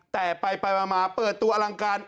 แต่ไปมาเปิดตัวอลังการ